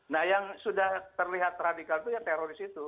nah yang sudah terlihat radikal itu ya teroris itu